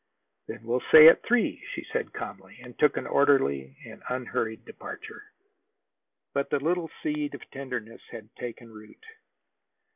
"Then we'll say at three," she said calmly, and took an orderly and unflurried departure. But the little seed of tenderness had taken root.